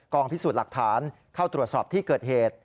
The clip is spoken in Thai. พิสูจน์หลักฐานเข้าตรวจสอบที่เกิดเหตุ